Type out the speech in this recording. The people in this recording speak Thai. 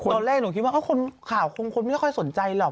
ตอนแรกหนูคิดว่าคนข่าวคงคนไม่ค่อยสนใจหรอก